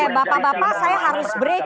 oke bapak bapak saya harus break